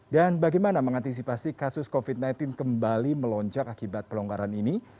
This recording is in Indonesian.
dan bagaimana mengantisipasi kasus covid sembilan belas kembali melonjak akibat pelonggaran ini